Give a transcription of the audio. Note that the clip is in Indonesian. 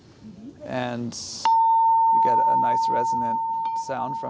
jadi kita akan mulai dengan notanya ini dan kamu mendapatkan suara yang baik yang tersendiri